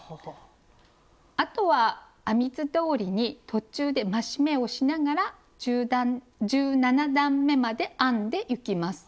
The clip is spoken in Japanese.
あとは編み図どおりに途中で増し目をしながら１７段めまで編んでいきます。